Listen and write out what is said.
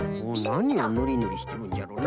なにをぬりぬりしてるんじゃろうな。